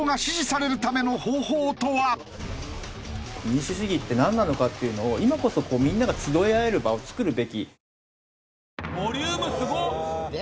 民主主義ってなんなのかっていうのを今こそみんなが集い合える場を作るべき。